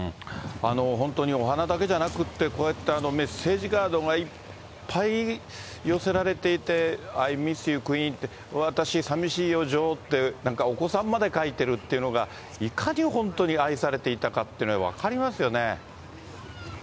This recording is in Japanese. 本当にお花だけじゃなくて、こうやってメッセージカードがいっぱい寄せられていて、アイ・ミス・ユー・クイーンって、私、さみしいよ、女王って、お子さんまで書いてるっていうのが、いかに本当に愛されていたかっていうの分かりますよね。